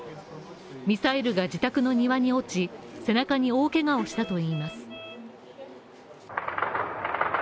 ミサイルが自宅の庭に落ち、背中に大けがをしたといいます。